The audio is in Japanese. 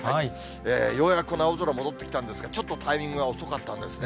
ようやくこの青空、戻ってきたんですが、ちょっとタイミングが遅かったんですね。